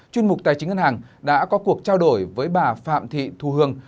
chuyên mục tài chính ngân hàng đã có cuộc trao đổi với bà phạm thị thu hương